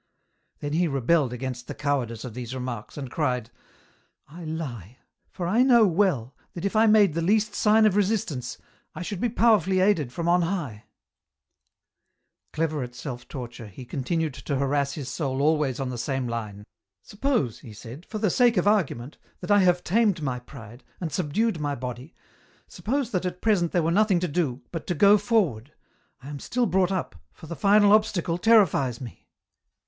Then he rebelled against the cowardice of these remarks, and cried :" I lie, for I know well, that if I made the least sign of resistance, I should be powerfully aided from on high." Clever at self torture, he continued to harass his soul, always on the same line. " Suppose," he said, " for the sake of argument, that I have tamed my pride, and subdued my body, suppose that at present there were nothing to do, but to go forward, I am still brought up, for the final obstacle terrifies me.